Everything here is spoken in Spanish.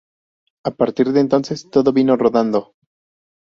A partir de entonces todo vino rodado.